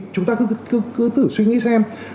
chúng ta cứ thử suy nghĩ xem